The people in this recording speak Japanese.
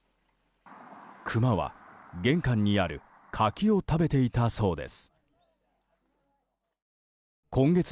クマは玄関にある柿を食べていたそうです。